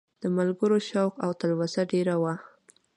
د ملګرو شوق او تلوسه ډېره وه.